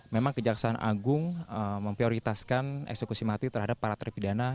memang kejaksaan agung memprioritaskan eksekusi mati terhadap para terpidana